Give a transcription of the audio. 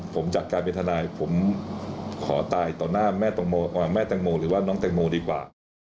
ผมจากการเป็นทนายผมขอตายต่อหน้าแม่แตงโมหรือว่าน้องแตงโมดีกว่า